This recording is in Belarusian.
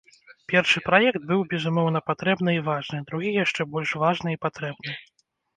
Першы праект быў, безумоўна, патрэбны і важны, другі яшчэ больш важны і патрэбны.